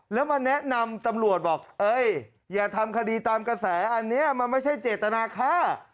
แล้วมาแนะนำตำรวจบอกเอ้ยอย่าทำคดีตามกระแสอันนี้มันไม่ใช่เจตนาฆ่า